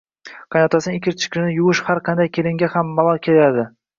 Qaynotasining kir-chirini yuvish har qanday kelinga ham malol keladi